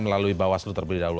melalui bawaslu terlebih dahulu